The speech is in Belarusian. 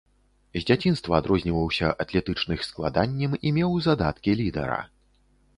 З дзяцінства адрозніваўся атлетычных складаннем і меў задаткі лідара.